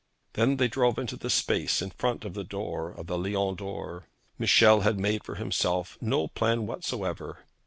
Then they drove into the space in front of the door of the Lion d'Or. Michel had made for himself no plan whatsoever.